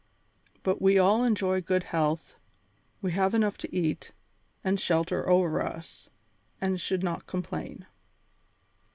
But we all enjoy good health, we have enough to eat, and shelter over us, and should not complain."